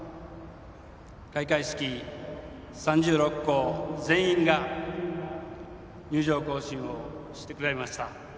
開会式、３６校全員が入場行進をしてくれました。